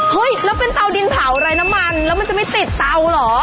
เฮ้ยแล้วเป็นเตาดินเผาไรน้ำมันแล้วมันจะไม่ติดเตาเหรอ